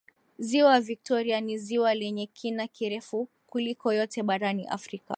Ziwa Viktoria ni ziwa lenye kina kirefu kuliko yote barani Afrika